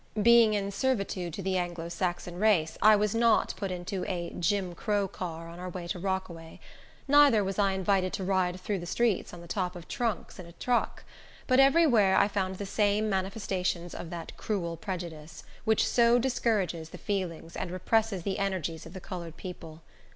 Being in servitude to the Anglo Saxon race, I was not put into a "Jim Crow car," on our way to Rockaway, neither was I invited to ride through the streets on the top of trunks in a truck; but every where I found the same manifestations of that cruel prejudice, which so discourages the feelings, and represses the energies of the colored people.